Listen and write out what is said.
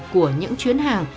của những chuyến hàng